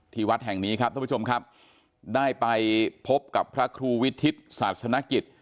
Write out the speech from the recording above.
วัดแห่งนี้ครับท่านผู้ชมครับได้ไปพบกับพระครูวิทิศศาสนกิจ